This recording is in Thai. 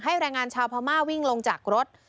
แรงงานชาวพม่าวิ่งลงจากรถ